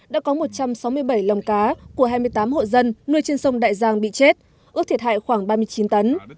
đã có một trăm sáu mươi bảy lồng cá của hai mươi tám hộ dân nuôi trên sông đại giang bị chết ước thiệt hại khoảng ba mươi chín tấn